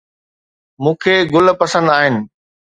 مون کي گل پسند آهن